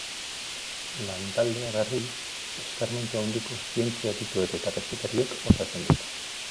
Lantaldea, berriz, eskarmentu handiko zientzia-adituek eta kazetariek osatzen dute.